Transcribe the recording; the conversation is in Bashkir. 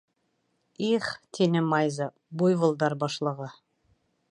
— И-их, — тине Майза, буйволдар башлығы.